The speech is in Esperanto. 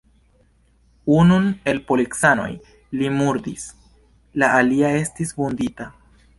Unun el policanoj li murdis, la alia estis vundita.